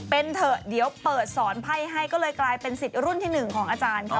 เป็นเถอะเดี๋ยวเปิดสอนไพ่ให้ก็เลยกลายเป็นสิทธิ์รุ่นที่๑ของอาจารย์ค่ะ